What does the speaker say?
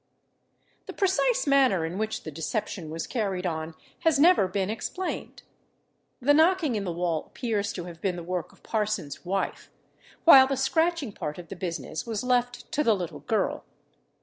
The precise manner in which the deception was carried on has never been explained. The knocking in the wall appears to have been the work of Parsons' wife, while the scratching part of the business was left to the little girl.